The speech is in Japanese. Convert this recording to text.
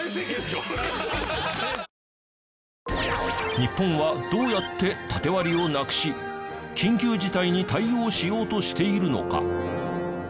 日本はどうやってタテ割りをなくし緊急事態に対応しようとしているのか。